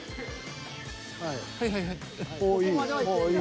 はいはいはい。